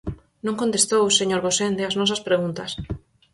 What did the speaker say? Non contestou, señor Gosende, as nosas preguntas.